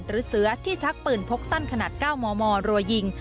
หรือเสือที่ชักปืนพกสั้นขนาด๙มมรัวยิง